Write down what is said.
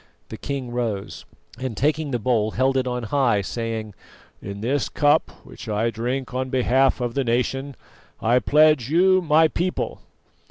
The king rose, and taking the bowl, held it on high, saying: "In this cup, which I drink on behalf of the nation, I pledge you, my people."